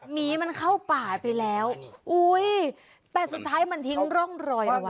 หมีมันเข้าป่าไปแล้วอุ้ยแต่สุดท้ายมันทิ้งร่องรอยเอาไว้